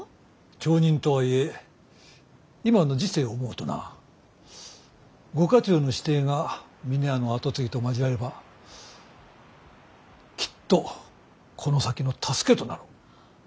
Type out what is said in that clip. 町人とはいえ今の時勢を思うとなご家中の子弟が峰屋の跡継ぎと交わればきっとこの先の助けとなろう。